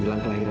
udah deh indi